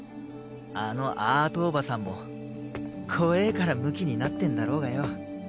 あのアートおばさんも怖ぇからムキになってんだろうがよ。